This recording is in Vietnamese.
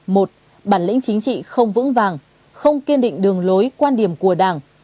một bản lĩnh chính trị không vững vàng không kiên định đường lối quan điểm của đảng